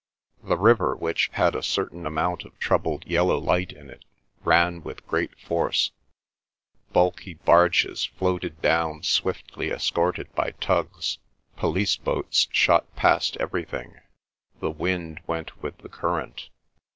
The river, which had a certain amount of troubled yellow light in it, ran with great force; bulky barges floated down swiftly escorted by tugs; police boats shot past everything; the wind went with the current.